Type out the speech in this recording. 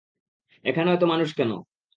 এখানে এত মানুষ কেন?